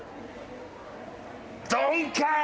ドンカン！